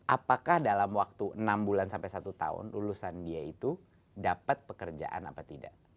apakah dalam waktu enam bulan sampai satu tahun lulusan dia itu dapat pekerjaan apa tidak